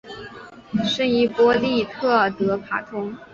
圣伊波利特德卡通。